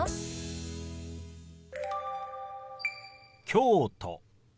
「京都」。